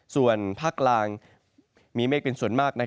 ส่วนภาคกลางมีเมฆเป็นส่วนมาก